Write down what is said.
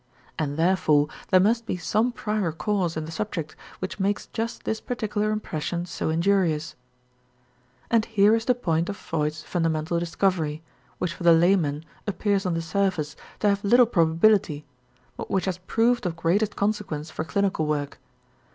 And therefore there must be some prior cause in the subject which makes just this particular impression so injurious; and here is the point of Freud's fundamental discovery, which for the layman appears on the surface to have little probability but which has proved of greatest consequence for clinical work.